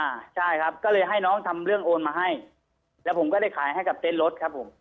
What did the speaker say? อ่าใช่ครับก็เลยให้น้องทำเรื่องโอนมาให้แล้วผมก็ได้ขายให้กับเต้นรถครับผม